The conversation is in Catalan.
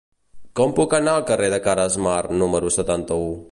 Com puc anar al carrer de Caresmar número setanta-u?